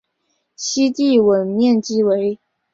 西帝汶面积为。